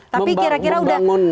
tapi kira kira udah